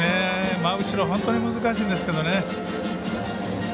真後ろ本当に難しいんですけどね。